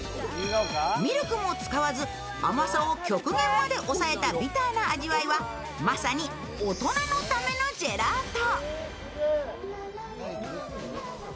ミルクも使わず、甘さを極限まで抑えたビターな味わいはまさに大人のためのジェラート。